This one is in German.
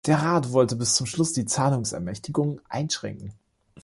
Der Rat wollte bis zum Schluss die Zahlungsermächtigungen einschränken.